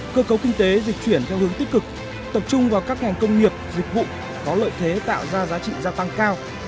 cơ cấu kinh tế dịch chuyển theo hướng tích cực tập trung vào các ngành công nghiệp dịch vụ có lợi thế tạo ra giá trị gia tăng cao